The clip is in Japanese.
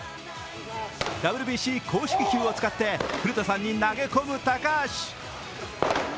ＷＢＣ公式球を使って古田さんに投げ込む高橋。